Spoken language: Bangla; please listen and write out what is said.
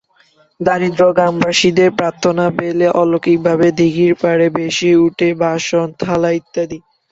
দরিদ্র গ্রামবাসীদের প্রার্থনা পেলে অলৌকিকভাবে দিঘির পাড়ে ভেসে ওঠে বাসন, থালা ইত্যাদি।